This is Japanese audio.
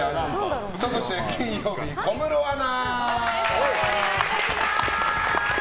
そして金曜日、小室アナ。